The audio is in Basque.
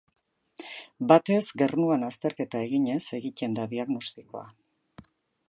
Batez gernuan azterketa eginez egiten da diagnostikoa.